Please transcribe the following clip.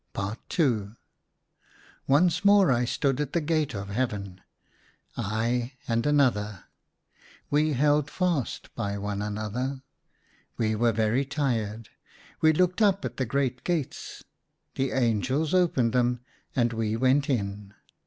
IL Once more I stood at the gate of Heaven, I and another. We held fast '' I THOUGHT I STOOD." 127 by one another ; we were very tired. We looked up at the great gates ; the angels opened them, and we went in.